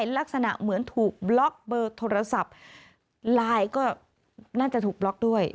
ลักษณะเหมือนถูกบล็อกเบอร์โทรศัพท์ไลน์ก็น่าจะถูกบล็อกด้วย